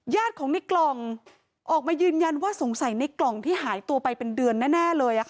ของในกล่องออกมายืนยันว่าสงสัยในกล่องที่หายตัวไปเป็นเดือนแน่เลย